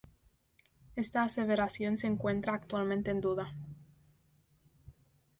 Esta aseveración se encuentra actualmente en duda.